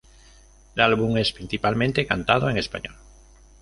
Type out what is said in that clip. El álbum es principalmente cantado en español.